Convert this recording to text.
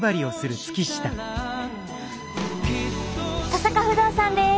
登坂不動産です。